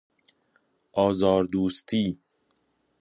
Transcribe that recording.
آزاردوستی